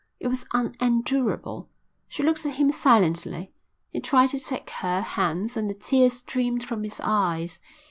It was unendurable. She looked at him silently. He tried to take her hands and the tears streamed from his eyes.